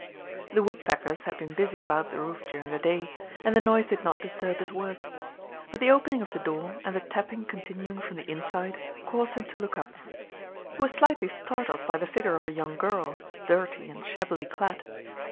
The woodpeckers had been busy about the roof during the day, and the noise did not disturb his work. But the opening of the door, and the tapping continuing from the inside, caused him to look up. He was slightly startled by the figure of a young girl, dirty and shabbily clad.